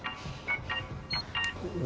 お。